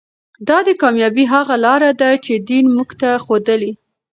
دا د کامیابۍ هغه لاره ده چې دین موږ ته ښودلې.